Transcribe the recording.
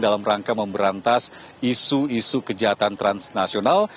dalam rangka memberantas isu isu kejahatan transnasional